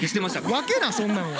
分けなそんなんは。